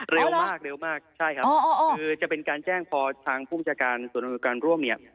เร็วมากใช่ครับคือจะเป็นการแจ้งพอทางภูมิการส่วนโดยการร่วม